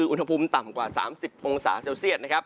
อุณหภูมิว่าถึง๓๐องศาเซลเซียส